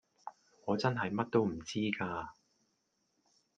我真係乜都唔知㗎